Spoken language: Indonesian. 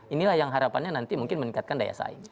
inilah yang harapannya nanti mungkin meningkatkan daya saing